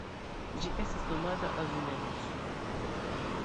Ĝi estas nomata azulejos.